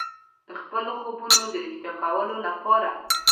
د خپلو خوبونو د ریښتیا کولو لپاره.